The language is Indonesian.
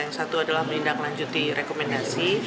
yang satu adalah menindaklanjuti rekomendasi